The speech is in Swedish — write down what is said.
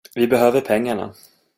Vi behöver pengarna.